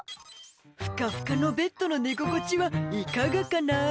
「ふかふかのベッドの寝心地はいかがかな？」